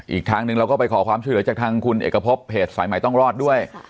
อีกทางหนึ่งเราก็ไปขอความช่วยเหลือจากทางคุณเอกพบเพจสายใหม่ต้องรอดด้วย